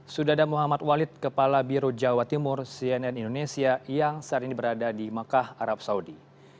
sudah ada muhammad walid kepala biro jawa timur cnn indonesia yang saat ini berada di mekah arab saudi